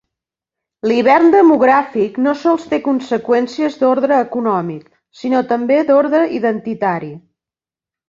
L'hivern demogràfic no sols té conseqüències d'ordre econòmic, sinó també d'ordre identitari.